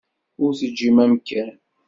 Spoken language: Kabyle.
Ur teǧǧim amkan.